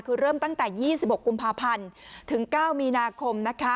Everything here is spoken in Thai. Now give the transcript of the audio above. คือเริ่มตั้งแต่๒๖กุมภาพันธ์ถึง๙มีนาคมนะคะ